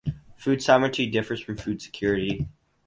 Food sovereignty differs from food security.